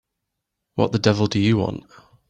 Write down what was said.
What the devil do you want?